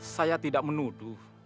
saya tidak menuduh